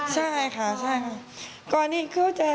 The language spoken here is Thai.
เขามาทักทายยกมือไหว้